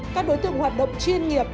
các đối tượng hoạt động chiên nghiệp